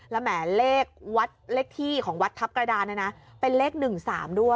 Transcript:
และแหม่เลขที่ของวัดทัพกระดานนั้นนะเป็นเลข๑๓ด้วย